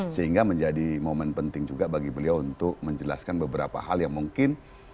sehingga menjadi momen penting juga bagi beliau untuk menjelaskan beberapa hal yang mungkin